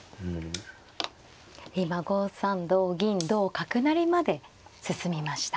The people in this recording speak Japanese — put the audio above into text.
今５三同銀同角成まで進みました。